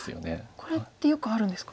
これってよくあるんですか。